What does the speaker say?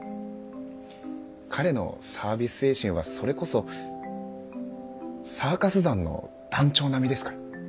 彼のサービス精神はそれこそサーカス団の団長並みですから。